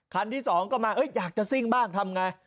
ที่สองก็มาอยากจะซิ่งบ้างทำไง